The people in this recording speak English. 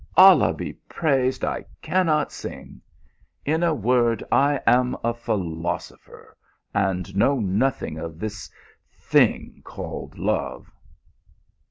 Allah be praised, I cannot sing. In a word, I am a philosopher, and know nothing of this thing called love."